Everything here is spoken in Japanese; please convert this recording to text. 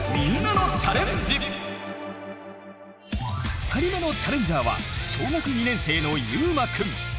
２人目のチャレンジャーは小学２年生のゆうまくん。